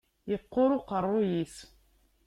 Iqquṛ uqeṛṛuy-is.